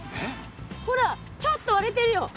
ほらちょっと割れてるよ。